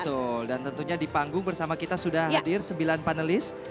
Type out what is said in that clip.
betul dan tentunya di panggung bersama kita sudah hadir sembilan panelis